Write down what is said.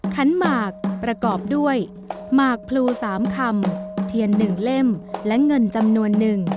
ขันหมากประกอบด้วยหมากพลู๓คำเทียน๑เล่มและเงินจำนวนหนึ่ง